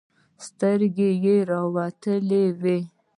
سترګې يې راوتلې وې.